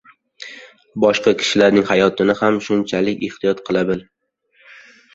boshqa kishilarning hayotini ham shunchalik ehtiyot qila bil.